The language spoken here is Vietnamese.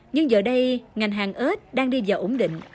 nhưng giờ đây ngành hàng ếch đang đi vào ổn định